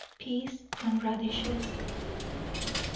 PEAS AND RADISHES. Mr.